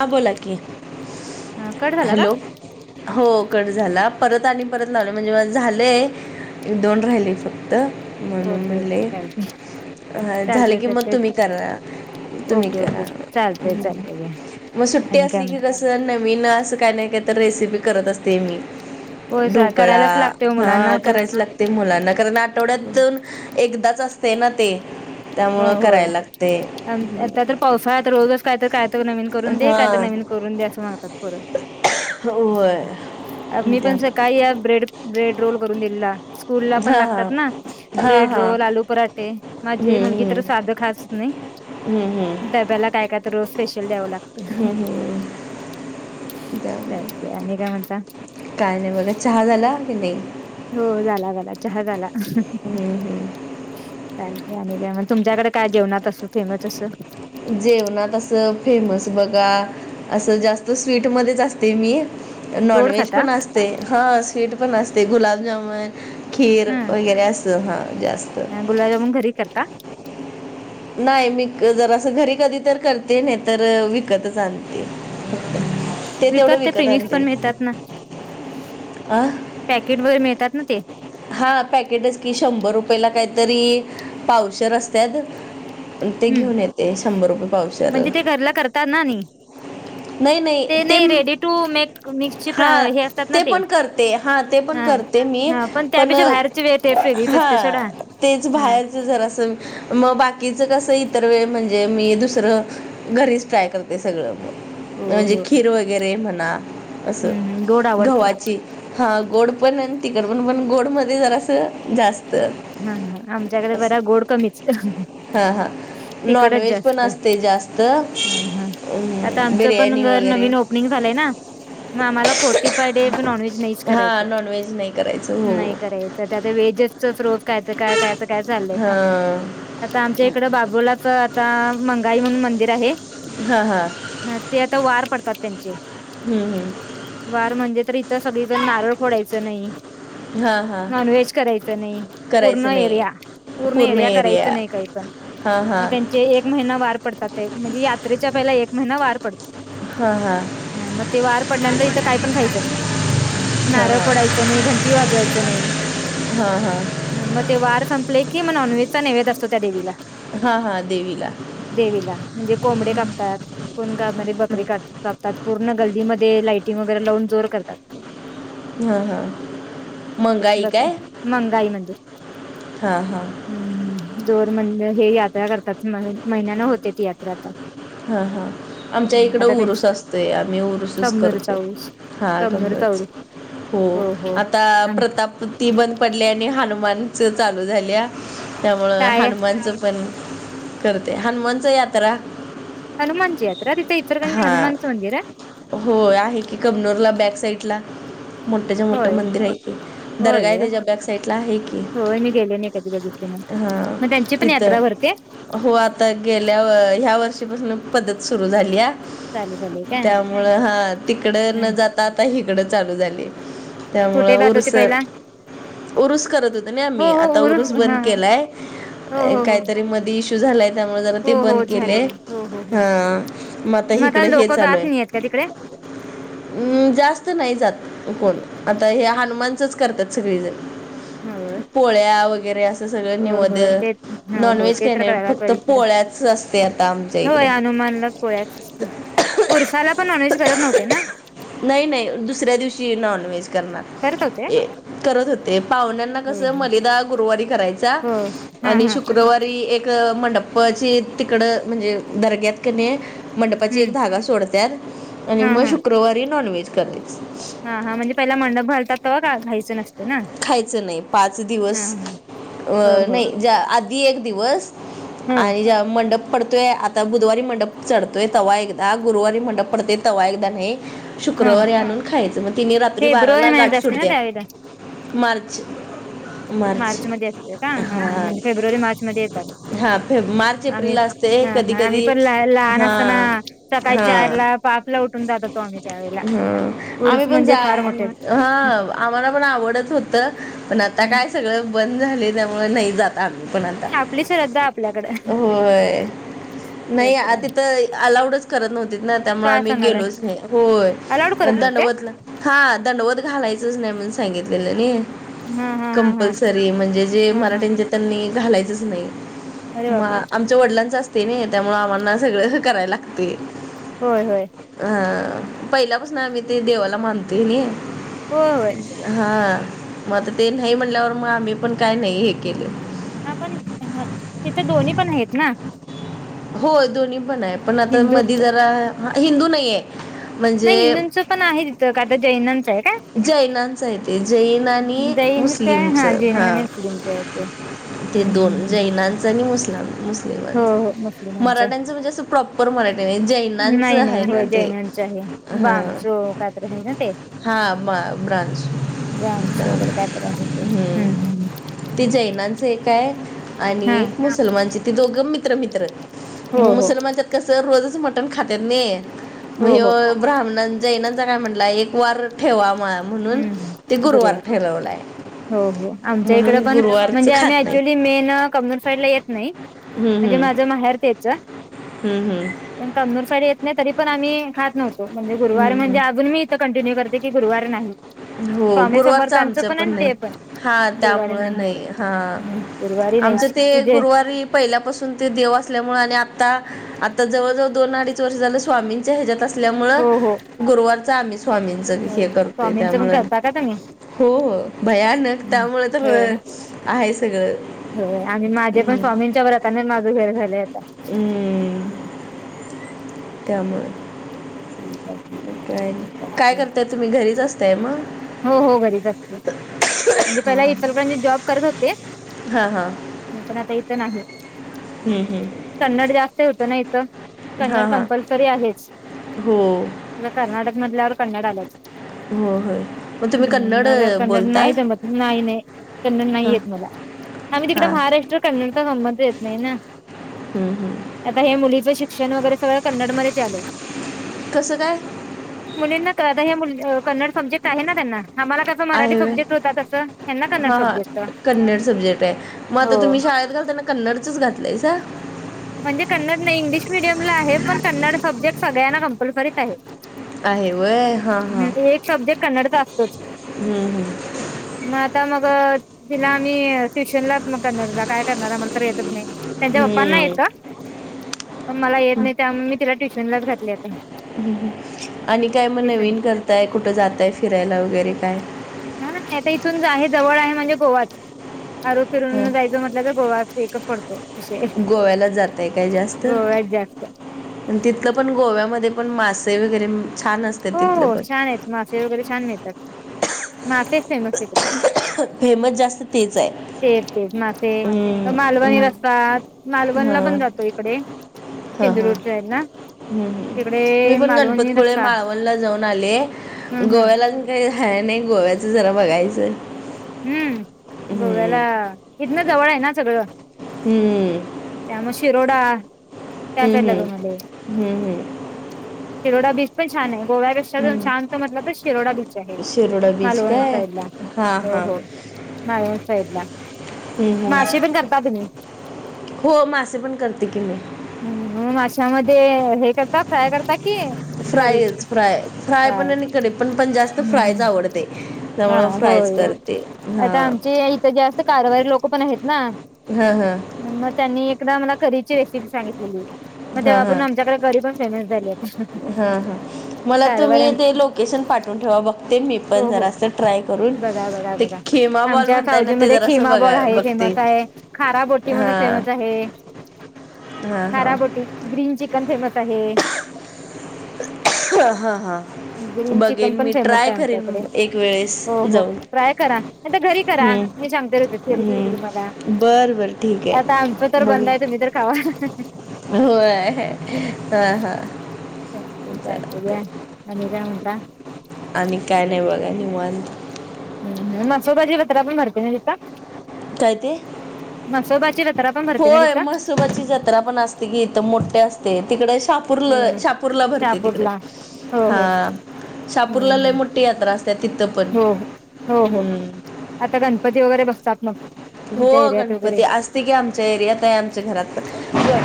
हा बोला की हा कट झाला का हॅलो. हो कट झाला परत आणि परत लावलं म्हणजे माझ झालंय. दोन राहिले फक्त. म्हणून ओके ओके म्हणले चालते झाले चालते की मग चालते तुम्ही करा. तुम्ही ओके ओके करा चालतय चालतय घ्या मग सुट्टी आणि काय असली की म्हणते कस नवीन असं काय नाही काय तर रेसिपी करत असते मी. होय ढोकळा करायलाच लागते हो मुलांना हा तर करायच लागतय मुलांना कारण आठवड्यातून एकदाच असतय ना ते त्यामुळं करायला लागतय. त्यात आता तर पावसाळा तर रोजच काय तर काय तर नवीन करून दे हा काय तर नविन करून दे असं मागतात पोरं होय मी त्या पण काय या ब्रेड ब्रेड रोल करून दिलेला. स्कूल ला पण हा लागतात ना हा हा ब्रेड हा रोल आलू पराठे हम्म, माझी मुलगी हम्म. साध खातच नाही हम्म, हम्म. डब्याला काय काय तर रोज स्पेशल द्यावं लागत. हम्म, हम्म. काय नाही बघा. चहा झाला की नाही? हो झाला झाला चहा झाला. हम्म, हम्म. काय मग तुमच्याकडे काय जेवणात असं फेमस असं? जेवण असं फेमस बघा असं जास्त स्वीट मध्येच असते मी नॉन गोड व्हेज खाता पण असते हा स्वीट पण असते गुलाबजामन खीर वगैरे अस हा जास्त. मुलाजमून घरी करता? नाही मी जरास असं घरी कधी तर करते नाही तर विकतच आणते. हम्म ते तेवढं विकत आण प्रिमिक्स ते पण मिळतात ना अ पॅकेट मध्ये मिळतात ना ते. हा पॅकेटच कि शंभर रुपयेला काहीतरी पावशेर असत्यात. ते हम्म घेऊन येते शंभर रुपये पावशेर. तरना नाही. नाही नाही ते रेडी टू मेक मिक्सची हा हे असतात ना ते पण करते हा ते पण कर मी हा पण त्यापेक्षा बाहेरची वेळ टेस्ट वेगळीच हा असते सोडा तेच हा बाहेर जरा अस मग बाकीच कस इतर वेळ म्हणजे मी दुसरं घरीच ट्राय करते सगळं हो म्हणजे हो खीर वगैरे म्हणा हम्म गोड असं आवडतं गव्हाची हा गोड पण तिकड पण पण गोड मध्ये जरा असं जास्त हा हा आमच्याकडे असं बरा गोड कमीच हा हा तिकडच नॉनव्हेज पण जास्त असते जास्त हम हम आता अं, पण बिर्याणी घर वगैरे नवीन ओपनिंग झालंय ना मग आम्हाला फोर्टी फाय डे नॉनवज नाहीच हा करायच नॉनव्हेज नाही करायचं हो नाही त्या वेजस प्रूफ कायच काययचं काय चाललंय हा आता आमच्या इकड बाबुलाच आता मंगाई म्हणून मंदिर आहे हा हा हा ते आता वार पडतात त्यांचे हम्म हम्म वार म्हणजे तर इथं सगळीजण नारळ पडायचं नाही हा हा नॉन व्हेज करायचं नाही पूर्ण करायचं नाही एरिया पूर्ण एरिया करायचं नाही काही पण हा हा मग त्यां जे एक महिना वार पडतात ते म्हणजे यात्रेच्या पहिला एक महिना वार पडतो हा हा हा मग ते वार पडल्यानंतर इथं काय पण खायचं नाही हां हां नारळ पडायच नाही घंटी वाजवायचं नाही हा हा मग ते वार संपले की मग नॉनव्हेजचा नैव्हेद असतो त्या देवीला हा हा देवीला देवीला म्हणजे कोंबडे कापतात कोण गमध्ये बकरी का कापतात पूर्ण गल्दीमध्ये लायटिंग वगैरे लावून जोर करतात हा हा मंगाई बक काय मंगाई म्हणजे हा हा हम्म हम् जोर मंद हे यात्रा करतात महिन्यान होते ती यात्रा आता हा हा आमच्या इकड आता उरुस त्यांची असते आम्ही उरुसच कबनूर करते चौस हा कबनूर गबच चौल हो आता आणि प्रताप ती बंद पडली आणि हनुमानच चालू झाल्या त्यामुळं काय हनुमानचं पण करते हनुमानच यात्रा हनुमानचीी याता ति त्या इतर कनक हा हनुमानच मंदिरा हो आहे की कमनोरला बॅक साईड ला मोठ्याच्या मोठं होय मंदिर आहे दर्गा आहे होय त्याच्या बॅक साइडला आहे कि होय मी गेले नाही कधी बघितले नाही हा मग त्यांची पण यात्रा तिथं भरते हो आता गेल्या ह्या वर्षीपासून पद्धत सुरू झाली चाले झाले काय त्यामुळं हा तिकडं न जाता आता हिकडं चालू झाली त्यामुळे कुठे जात उर होते सर पहिला उरूस करत होत ना हो आम्ही हो आता उरूस बंद हा केलाय हो हो हो काहीतरी मध झाय त्यामुळे जरा हो ते बंद हो केले झालेल हो हो हो ह मग आता इकड हे चालूय त्या तिकडे हम् जास्त नाही जात कोण आता हे हनुमानचच करतात सगळीजण होय पोळ्या वगैरे अस सगळं न्यद ते हो नॉन हो व्हेज ख ते तर करायला फक्त पाहिजे थोडं पोळ्याच असते आता आमच्या इकडे पोळ्या उरफला पण नॉनव्हेज करत नव्हते ना नाही नाही दुसऱ्या दिवशी नॉन व्हेज करत होते करणार करत होते पाहुण्यांना हो कस हो मलदा गुरुवारी करायचा हो हा आणि हा शुक्रवारी एक मंडपपाची तिकड म्हणजे दर्ग्यात क मंडपाची एक हम्म धागा सोडतत आणि हा मग हा शुक्रवारी नॉन व्हेज करास हा हां म्हणजेहिला मंडप घलात ते का घायचं नसं खायचं नाही पाच दिवस हा अ हो हो नाही ज आधी एक दिवस ह आणि ज्या मंडप पडतोय ता गुरुवारी मंडप चढतोय तवा्हा एकदा गुरुवारी मंडप पडतेय तवा्हा एकदा नाही ह शुक्रवारी आणून खायचं मग तिने रात्री फेब्रुवारी बाराला गाठ महिन्यात सुड असते ना द्या त्यावेळेला मार्च मार्च मध्ये असते का हा हां म्हणजे फेब्रुवारी मार्च मध्ये येत आले हाे मार्च एप्रिल ला असते कधी हा आम्ही कधी पण लहा लहान हा असताना सकाळी हा चार ला पाचला उठून जात होतो आम्ही त्यावेळेला ह उर्स आम्ही पण म्हणजे जा फार मोठे ह आम्हाला पण आवड होत पण आता हम्म काय सगळं बंद झाले त्यामुळे नाही जात आम्ही पण आता. आपली श्रद्धा आपल्याकडे होय ते नाही आ ति आहे तर अलाउडच करत नव्हती ना त्यामुळे काय आम्ही सांगायलाय गेलोच नाही होय अलाउड करत दंड नव्हते बतला हा दंडवत घालायचच नाही म्हणून सांगितलेलं नाही हा हा हा हा कंपल्सरी म्हणजे जे हा हा मराठीचे त्यांनी घालायचंच नाही अरे बापरे मग आमच्या वडिलांच अस ते नाही त्यामु आम्हाना सगळं करायला लागते होय होय अह पहिलापासून आ मी ते देवाला मानतोय नाही होय हा मग आता ते नाही म्हणल्यावर मग आम्ही पण काय नाही हे केले ह पण तिथे दोन्ही पण आहेत ना हो दोन्ही पण आहे पण आता हिंदू मधी जरा हिंदू नाहीे नाही इंदूंचं पण आहे तिथं आता जैनंत जैनांच आहे ते जैन आणि जैन काय मुस्लिमच जैन हा म्हणे मुस्लिमच ओके ते हम्म दोन हम्म जैनांचा आणि मुस्लाम हो हो मुस्लिमांच मराठ्यांचं म्हणजे असं प्रॉपर मराठी नाही जैनांचं आहे ना ते बांसो कात्र हेन ते हां ब ब्रांस रामच वगैरे कायतर आहे ते हम्म हम्म हम् ते जैनांच एक आहे आणि हा एकस् मुलमानची ती दोघं मित्र मित्र हो हो मुसलमानच्या कसं रोजच मटन खात नाही मग हो हो ब्राह्मणां जाईनाचा काय म्हटला एक वार ठेवा म म्हणून ते गुरुवार ठरवलाय हो हो आमच्या इकड म्हणून पण म्हणजे गुरुवारच आम्ही खात नाही ऍक्च्युली असतात. मेन कमनूर साईडला येत नाही हम्म म्हणजे हम्म माझं माहेर त्याच हम्म हम्म पण कमनूर सााेत नाही तरी पणम्ही खात नव्हतो म्हणजे हम्म गुरवारणजे अजून मी कंटिन्य करते क गुरुवार हो स्वामी गुरुवारच समर्थांचं आमचं पण आणि नाही ते हा गुरुवारी त्यामुळ होत नाही हा हम्म गुरुवारी आमचं नाहीच ते म्हणजे गुरुवारी पहिल्यापासून ते देव असल्यामुळे आणि आता आता जवळजवळ दोन अडीच वर्ष झालं स्वामीं हजत असल्यामु हो हो गुरुवारचा आम्ही स्वामींच हे करतोय पग त्यामुळं करता का त्ही हो हो भयानक त्यामुळ तर आहे सगळं हो आणि माझे पण हम्म, स्वामींच्या व्रतानेच माझं घेर झालंय आता हम्म त्यामुळे काय नाही. काय [unintelligible] करताय तुम्ही घरीच असताय मग हो हो घरीच असते म्हणजे पहिला इतरपांचे जॉब करत होते हां हां नाही पण आता इथं नाही हम्म हम् कन्नड जास्त होत ना इथ हां कन्नड हां कंपल्सरी आहेच हो कर्नाटक म्हटल्यावर कन्नड आलंच. हो हो हम्म मला कन्नड नाही जमत नाही नाही कन्नड नाही हां येत मला आम्ही तिकडे हां महाराष्ट्र कन्नड चा संबंध येत नाही ना. हम्म हम् आता हे मुलीचं शिक्षण वगैरे सगळं कन्नड मध्ये च झालं. कसं काय? मुलींना कळतं कन्नड सब्जेक्ट आहे ना त्यांना आम्हाला काय? आहे हा सब्जेक्ट कन्नड सब्जेक्ट आहे मग आता हो तुम्ही शाळेत. घालताना कन्नडचंच घालतंय. म्हणजे कन्नड नाही इंग्लिश मिीडियमला आहे पण कन्नड सब्जेट सगळ्यांना कंपल्सरी आहे. आहे व्हय हां हां ह एक सब्जेक्ट कन्नड तर असतोच. हम्म मग आता मग. तिला आम्ही ट्युशन लात मग करणारला काय करणार आम्हाला तर येतच नाही, या. त्यांच्या हम्म पप्पांना हम्म यायचं पण मला येत नाही त्यामुळे मी तिला ट्युशनलाच घातली आता आणि काय मग ट्युशन नवीन करताय कुठं जातय फिरायला वगैरे काय? ह नाही नाही आता इथूनच आहे जवळ आहे म्हणजे गोवाच. अरू हां फिरून जायचं म्हटलं तर गोवा वेकच पडतो. विषय गोव्याला जाताय काय जास्त गोव्यात जास्त तिथलं पण गोव्यामध्ये पण मासे वगैरे छान असत. हो हो छान आहेत मासे वगैरे छान मिळतात मासेच फेमस आहे इकडे फेमस जास्त तेच आहे. तेच तेच मासे हम्म मालवणी हम्म रस्ता मालवणला पण हां जातो इकडे हां चिंदूर हां उटय ना हम्म तिकडे हम् मी पण मालवणी गणपतीपुळे रस्ता माळवणला जाऊन आले हम्म हम्म गोव्याला. काही झा नाही गोव्याचं जरा बघायचं. हम्म हम्म, गोव्यालाच इथनं जवळ आहे ना सगळं. हम्म त्यामुळे शिरोडा हम्म त्या साईडला जाऊन आले. हम्म हम्म हम् शिरोडा बीच पण छान आहे गोव्यापेक्षा छान तर म्हटलं तर शिरोडा बीच आहे. शिरोडा बीच मालवण काय साइडला हां हो हां हो. मालवण साइडला हम्म, हम्म. मासे पण करता की नाही. हो मासे पण करते की मी हम्म माशामध्ये हे करता फ्राय करता की करी फ्रायच फ्राय फ्राय पणकडे पण पण जास्त करी हम्म फ्रायच आवडते. हा त्यामुळं फ्रायच होय करते आता हां आमचे इथं जास्त कारवारी लोक पण आहेत ना. हा हा मग त्यांनी एकदा मला कररीची रेसिपी सांगितलेली. मग हां हां तेव्हापर्ून आमच्याकडे गरी पण फेमस झाली आता कारव. लकेशन पाठून ठेवा बघते मी पण जरास्ं ट्रय बघा बघा बघा आमच्या ना ते सावजीमध्ये जरासं खिमा बळ बघा आहे बघते फेमस आहे. खाराबोटी म्हणून हां फेमस आहे. हां हां खाराबोटी ग्रीन चिकन फेमस आहे. हा हा हा ग्रीन चिकन बघेन पण मी फेमस ट्राय आहे आमच्याकडे करेन एक वेळेस. हो हो जाऊन ट्राय करा नाही तर घरी करा हम्म मी सांगते र होते ती रेसिपी तुम्हाला हम्म बर बर ठीक आता आमचं आहे तर बंद आहे तुम्ही तर खावा. हो हा हा चालत चालत या चालतंय आणि काय म्हणता. आणि काय नाही बघा नि मन हम हम मासोबाजी पतरा पण मरते नाही देत. काय ते जत्रा पण भरते ना होय तिथं मग सुरबातची जात. क्र पण असते कि इथ मोठे असते तिकडे शा. शपूरल हम्म शापूरला भरते तिकडे शहापूरला हो हो हा. शापूरला लय हम्म मोठी यात्रा असते तिथं पण हो हो हो हो हम्म. आता गणपती वगैरे बसतात नाग. हो गणपती असते की आमच्या एरियात आहे आमच्या घरात ग.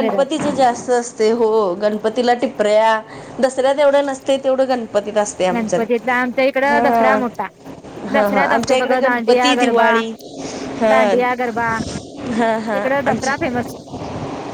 घरात पण जास्त असत. हो गणपतीला टिपऱ्या दसऱ्या तेवढ्या नसते तेवढं गणपतीत असत. गणपतीत आमच्या इकड दसरा मोठा हा हा दसऱ्यात असतो आमच्या इकडे सगळं दांडिया गणपती गरबा दिवाळी हा दांडि गरबा. हा हा इकड आम दसरा फेमस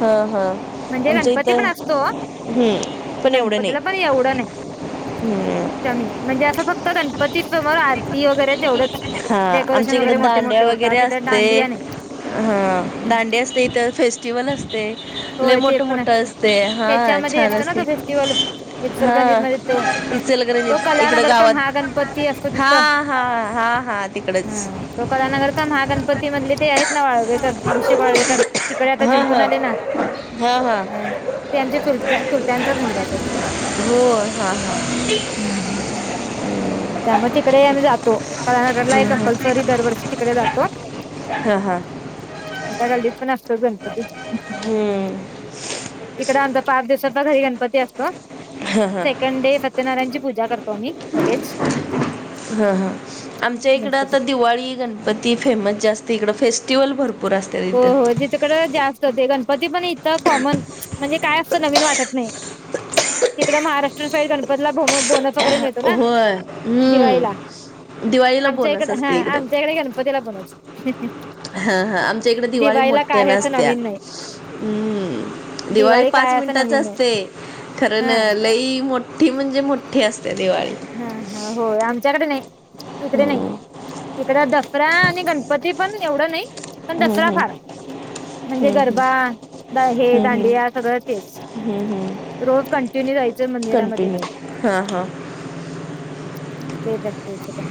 हा हा म्हणजे आमचं इथ गणपती पण असतो हम्म. पण एवढं नाही गणपतीला पण एवढं नाही. हम्म. कमी म्हणजे असं फक्त गणपती समोर आरती वगैरे तेवढंच हा डेकोरेशन आमच्या इकडे वगैरे मोठे मोठे दांड्या होतात वगैरे तिथे असते दांडीया नाही. हा दांडे असते इथ फेस्ट जीवन असते लले होय ते मोठ पण मोठं असत असते हा त्याच्यामध्ये छान असतो ना असते. तो फेस्टिवल हा इचलकरंजीत मध्ये तो इल क तो इकड कलानगरचा गावात महागणपती असतो हा. तिथं हा हा हा तिकडेच हा तो कलानगरचा महागणपती मधले ते आहेत ना वाळवेकर अभिषेक वाळवेकर तिकडे आता हा हा जिंकून आले ना. हा हा अ ते आमच्या चुलत चुलत्यांचाच मुलगा त होता. हो हा हा. त्यामुळे तिकडे आम्ही जातो कलाानगरला कंपल्सरी दरवर्षी तिकडे जातो. हा हा. यटगल दपण असतो गणपती हम. इकड अ पाच दिवसाांचा घरी गणपती असतो. सेकंड डे सत्यनारायणची पूजा करतो मी लगेच. हा हा आमच्या इकडं गणपती आता दिवाळी घण पण ती फेमस जास्त इकं फेस्टिवल भरपूर असते हो इथं हो तिथेकडं जास्त होते गणपती पण इतथं कॉमन म्हणजे काय असतं नवीन वाटत नाही. तिकडे महाराष्ट्र सासाठी गणपला बोनस वगैरेळ होय दिवाळीला हम्म दिवाळीला आमच्या इकड बोनस ह असते इकडे आमच्याडे घे. त्याला बलाच हा हा आमच्या इकडे दिवाळी मोठ्या असं नसत्या. नवीन नाही हम्म दिवाळी पाच काय असं मिनिटाची नवीन नाही असते खरं हा लई मोठ. ती म्हणजे मोठ्ठी असते दिवाळी हा हा होय आमच्याकडं नाय हो इकडं नाही. इकड दफरा आणि गणपती पण एवढं नाही. पण दसरा फार म्हणजे गरबा द हे दांडिया सगळं तेच रोज कंटिन्यू जायचं मंदिरामध्ये हा हा. ते तेच का?